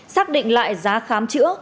xác định lại giá khám chữa